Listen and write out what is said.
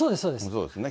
そうですね。